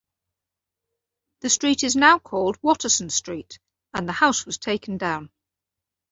The street is now called Watterson Street, and the house was taken down.